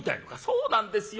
「そうなんですよ。